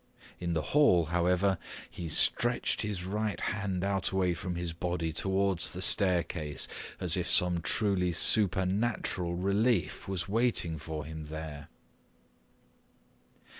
In the hall, however, he stretched his right hand out away from his body towards the staircase, as if some truly supernatural relief was waiting for him there.